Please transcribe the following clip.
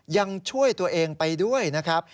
ยังช่วยตัวเองไปด้วยนะครับ